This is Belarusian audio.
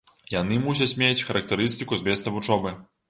Яны мусяць мець характарыстыку з месца вучобы.